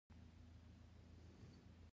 دا بوی پرې ښه نه لګېږي که څه بلا ده.